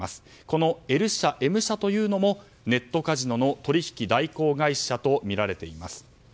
このＬ社、Ｍ社というのもネットカジノの取引代行会社とみられています。